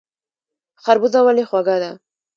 خربوزه ولې خوږه ده؟